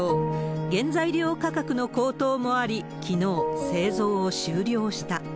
原材料価格の高騰もあり、きのう、製造を終了した。